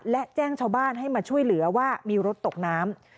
และแจ้งชาวบ้านให้มาช่วยเหลือว่ามีรถตกน้ำ